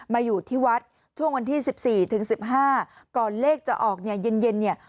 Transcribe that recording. มาอยู่ที่วัดช่วงวันที่๑๔ถึง๑๕ก่อนเลขจะออกเนี่ยเย็นเย็นเนี่ย